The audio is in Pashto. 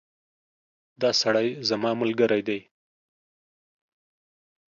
دا سړی زما ملګری دی